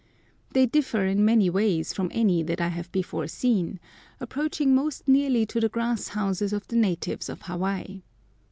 They differ in many ways from any that I have before seen, approaching most nearly to the grass houses of the natives of Hawaii.